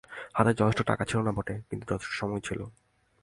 হাতে যথেষ্ট টাকা ছিল না বটে, কিন্তু যথেষ্ট সময় ছিল।